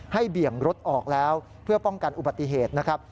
เบี่ยงรถออกแล้วเพื่อป้องกันอุบัติเหตุนะครับ